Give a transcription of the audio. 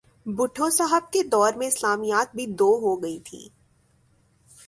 بھٹو صاحب کے دور میں اسلامیات بھی دو ہو گئی تھیں۔